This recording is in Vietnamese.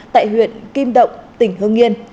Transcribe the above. tại huyện kim động tỉnh hương yên